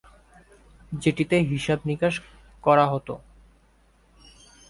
যেটিতে হিসাব-নিকাশ করা হত।